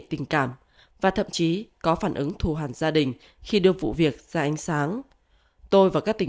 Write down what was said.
tình cảm và thậm chí có phản ứng thù hàng gia đình khi đưa vụ việc ra ánh sáng tôi và các tỉnh